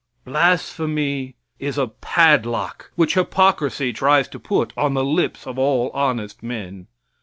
Blasphemy is a padlock which hypocrisy tries to put on the lips of all honest men.